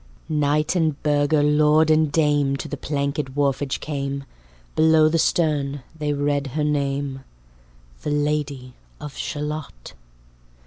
Knight and burgher, lord and dame, To the plankèd wharfage came: Below the stern they read her name, "The Lady of Shalott."